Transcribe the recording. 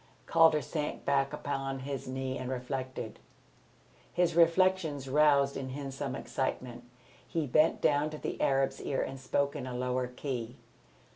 Calder sank back upon his knee and reflected. His reflections roused in him some excitement. He bent down to the Arab's ear and spoke in a lower key.